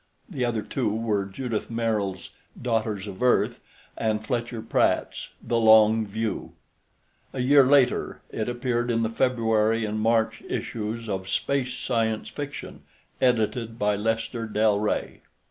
(The other two were Judith Merril's Daughters of Earth and Fletcher Pratt's The Long View.) A year later it appeared in the February and March issues of Space Science Fiction, edited by Lester Del Rey.